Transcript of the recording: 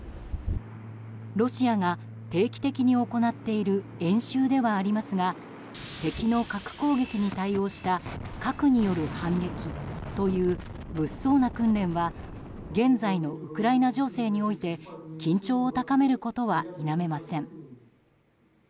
ロシアが定期的に行っている演習ではありますが敵の核攻撃に対応した核による反撃という物騒な訓練は現在のウクライナ情勢において緊張を高めることは否めません。